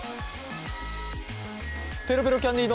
ペロペロキャンディー